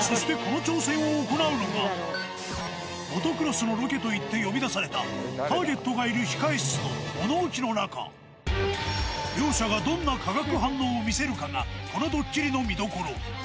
そして、この挑戦を行うのが、モトクロスのロケといって呼び出された、ターゲットがいる控え室の物置の中。両者がどんな化学反応を見せるかが、このドッキリの見どころ。